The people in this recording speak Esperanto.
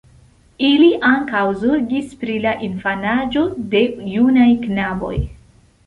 Ili ankaŭ zorgis pri la infanaĝo de junaj knaboj.